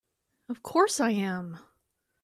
Of course I am!